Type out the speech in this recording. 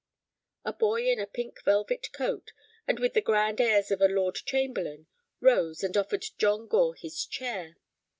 A boy in a pink velvet coat, and with the grand airs of a lord chamberlain, rose and offered John Gore his chair.